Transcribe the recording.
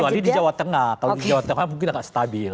kecuali di jawa tengah kalau di jawa tengah mungkin agak stabil